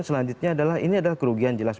selanjutnya adalah ini adalah kerugian jelas